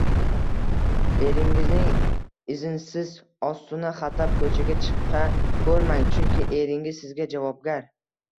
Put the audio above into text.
Eringizning iznsiz ostona xatlab ko‘chaga chiqa ko‘rmang, chunki eringiz sizga javobgar.